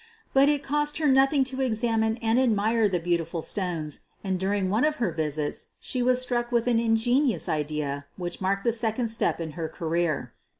But it cost her nothing to examine and admire the beau tiful stones, and during one of her visits she was struck with an ingenious idea which marked the •econd step in her career.